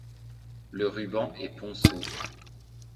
Le ruban est ponceau.